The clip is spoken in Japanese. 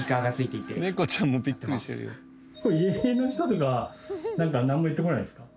これ家の人とかなんも言ってこないんですか？